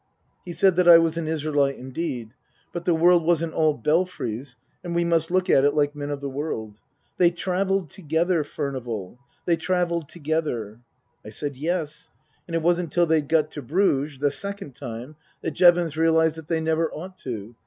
He said that I was an Israelite indeed. But the world wasn't all Belfries, and we must look at it like men of the world. " They travelled together, Furnival. They travelled together." I said " Yes. And it wasn't till they'd got to Bruges Book I : My Book 103 the second time that Jevons realized that they never ought to.